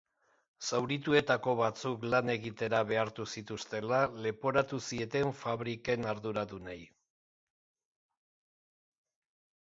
Zaurituetako batzuk lan egitera behartu zituztela leporatu zieten fabriken arduradunei.